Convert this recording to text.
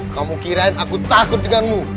kamu kirain aku takut denganmu